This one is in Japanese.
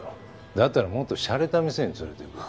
だったらもっとシャレた店に連れていくよ。